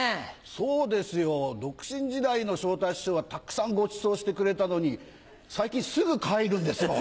そうですよ独身時代の昇太師匠はたくさんごちそうしてくれたのに最近すぐ帰るんですもん。